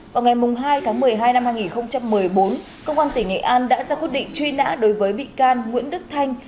vào ngày hai tháng một mươi hai năm hai nghìn một mươi bốn công an tỉnh nghệ an đã ra quyết định truy nã đối với bị can nguyễn đức thanh